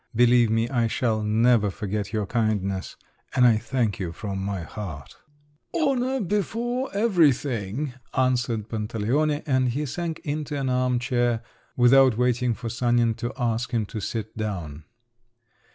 Believe me I shall never forget your kindness, and I thank you from my heart." "Honour before everything!" answered Pantaleone, and he sank into an arm chair, without waiting for Sanin to ask him to sit down.